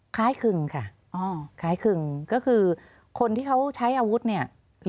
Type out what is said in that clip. คล้ายครึ่งค่ะคล้ายครึ่งก็คือคนที่เขาใช้อาวุธเนี่ย